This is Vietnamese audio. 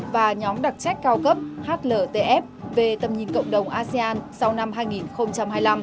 và nhóm đặc trách cao cấp hltf về tầm nhìn cộng đồng asean sau năm hai nghìn hai mươi năm